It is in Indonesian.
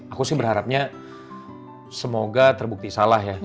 aku sih berharapnya semoga terbukti salah ya